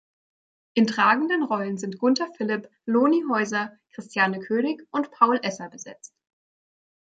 In tragenden Rollen sind Gunther Philipp, Loni Heuser, Christiane König und Paul Esser besetzt.